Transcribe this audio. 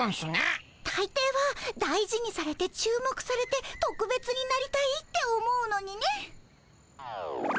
たいていは大事にされて注目されてとくべつになりたいって思うのにね。